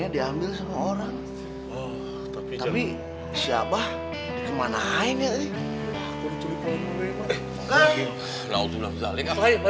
diambil semua orang tapi siapa kemana ini